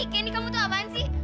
keni kamu tuh apaan sih